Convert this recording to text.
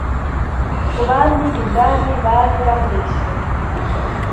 ku bandi ibwami bari bamwishe